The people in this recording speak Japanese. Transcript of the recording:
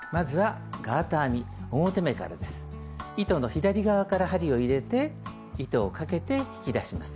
糸の左側から針を入れて糸をかけて引き出します。